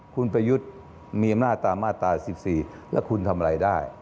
คุณไปหยุดมีมาตรามาตรา๑๔แล้วคุณทำอะไรได้